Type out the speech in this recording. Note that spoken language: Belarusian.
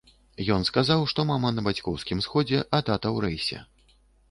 Ён сказаў, што мама на бацькоўскім сходзе, а тата ў рэйсе.